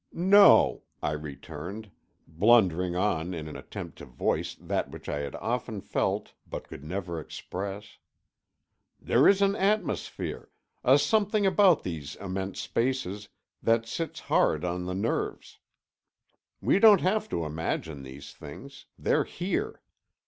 "No," I returned, blundering on in an attempt to voice that which I had often felt, but could never express. "There is an atmosphere, a something about these immense spaces that sits hard on the nerves. We don't have to imagine these things; they're here.